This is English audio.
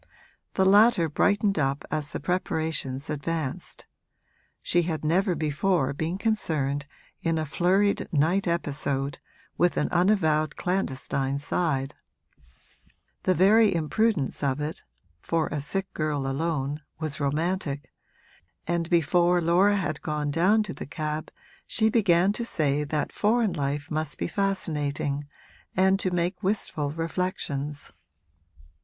The latter brightened up as the preparations advanced; she had never before been concerned in a flurried night episode, with an unavowed clandestine side; the very imprudence of it (for a sick girl alone) was romantic, and before Laura had gone down to the cab she began to say that foreign life must be fascinating and to make wistful reflections.